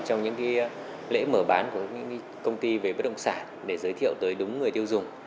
trong những lễ mở bán của những công ty về bất động sản để giới thiệu tới đúng người tiêu dùng